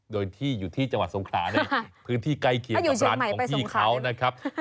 โดยที่อยู่ที่จังหวัดสงขลาในพื้นที่ใกล้เคียงกับร้านของพี่เขานะครับ